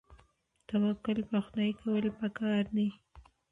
توکل په خدای کول پکار دي